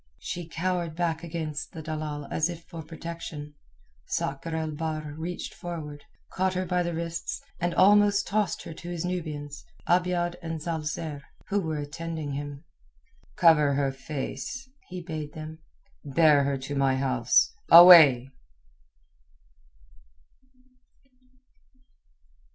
She cowered back against the dalal as if for protection. Sakr el Bahr reached forward, caught her by the wrists, and almost tossed her to his Nubians, Abiad and Zal Zer, who were attending him. "Cover her face," he bade them. "Bear her to my house. Away!"